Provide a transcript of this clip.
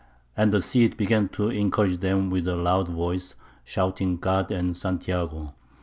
And the Cid began to encourage them with a loud voice, shouting God and Santiago!